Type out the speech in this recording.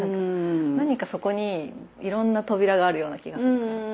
何かそこにいろんな扉があるような気がするから。